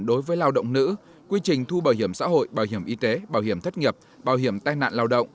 đối với lao động nữ quy trình thu bảo hiểm xã hội bảo hiểm y tế bảo hiểm thất nghiệp bảo hiểm tai nạn lao động